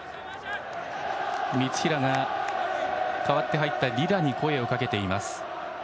三平が代わって入ったリラに声をかけていました。